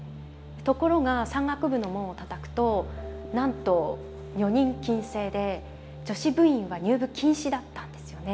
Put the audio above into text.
ところが山岳部の門をたたくとなんと女人禁制で女子部員は入部禁止だったんですよね。